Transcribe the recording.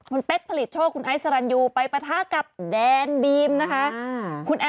คุณเป๊กผลิตโชคคุณไอซรันยูไปปะทะกับแดนบีมนะคะ